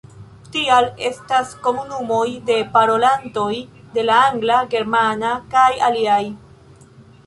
Tial estas komunumoj de parolantoj de la angla, germana kaj aliaj.